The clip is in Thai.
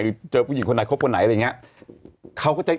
เจอผู้หญิงคนไหนคบคนไหนอะไรอย่างนี้